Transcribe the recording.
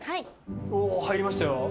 おぉ入りましたよ。